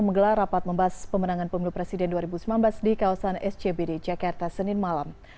menggelar rapat membahas pemenangan pemilu presiden dua ribu sembilan belas di kawasan scbd jakarta senin malam